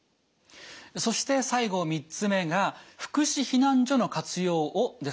そして最後３つ目が「福祉避難所の活用を」ですね。